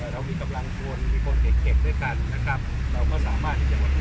เรามีกำลังชวนมีคนเก่งเก่งด้วยกันนะครับเราก็สามารถที่ส